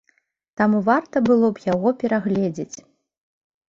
Таму варта было б яго перагледзець.